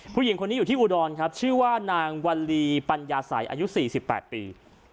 ผู้หญิงคนนี้อยู่ที่อุดรครับชื่อว่านางวัลลีปัญญาสัยอายุ๔๘ปี